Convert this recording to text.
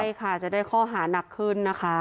ใช่ค่ะจะได้ข้อหานักขึ้นนะคะ